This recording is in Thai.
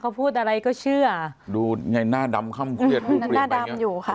เขาพูดอะไรก็เชื่อดูในหน้าดำค่ำเครียดหน้าดำอยู่ค่ะ